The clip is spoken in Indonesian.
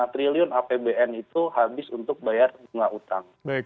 lima triliun apbn itu habis untuk bayar bunga utang